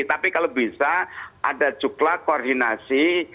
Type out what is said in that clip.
tapi kalau bisa ada cukla koordinasi